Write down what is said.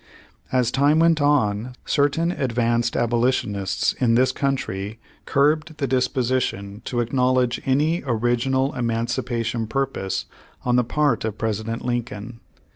As time went on, certain advanced Abolition ists in this country curbed the disposition to acknowledge any origial emancipation purpose on the part of President Lincoln.